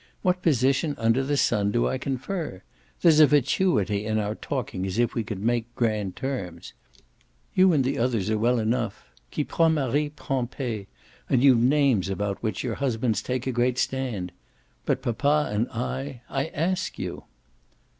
What position under the sun do I confer? There's a fatuity in our talking as if we could make grand terms. You and the others are well enough: qui prend mari prend pays, and you've names about which your husbands take a great stand. But papa and I I ask you!"